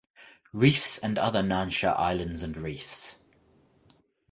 Reefs and other Nansha islands and reefs.